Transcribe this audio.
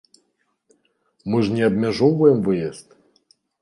Мы ж не абмяжоўваем выезд!